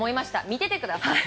見ててください！